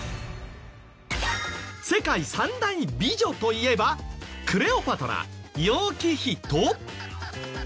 世界３大美女といえばクレオパトラ楊貴妃と？